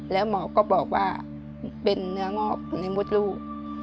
แล้วหมอก็บอกว่าเป็นเนื้องอกในมดลูก